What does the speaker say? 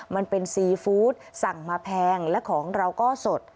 มันเป็นซีฟู้ดสั่งมาแพงและของเราก็สด